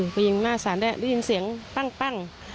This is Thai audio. พอยิงหน้าสารแได้ยินเสียงปั้ง